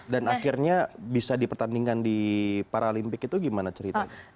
akhirnya bisa dipertandingkan di paralimpik itu gimana ceritanya